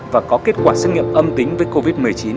và có kết quả xét nghiệm âm tính với covid một mươi chín